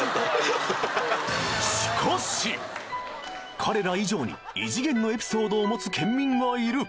彼ら以上に異次元のエピソードを持つ県民がいる。